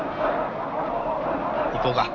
行こうか。